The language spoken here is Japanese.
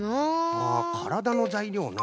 あからだのざいりょうな。